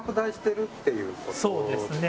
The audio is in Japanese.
そうですね